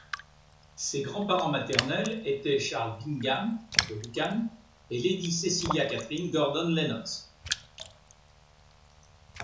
Ses grands-parents maternels étaient Charles Bingham, de Lucan et lady Cecilia Catherine Gordon-Lennox.